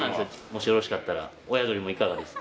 もしよろしかったらおやどりもいかがです？